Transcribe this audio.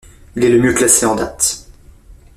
Il est le mieux classé en date.